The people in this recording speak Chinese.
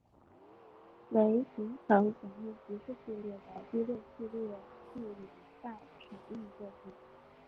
为平成假面骑士系列的第六系列录影带首映作品。